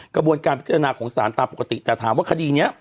กระบวนการพิจารณาของสารตามปกติแต่ถามว่าคดีนี้